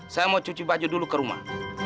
saya mau cuci baju dulu ke rumah